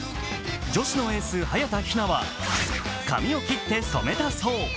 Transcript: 女子のエース・早田ひなは髪を切って染めたそう。